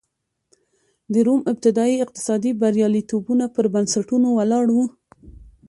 د روم ابتدايي اقتصادي بریالیتوبونه پر بنسټونو ولاړ و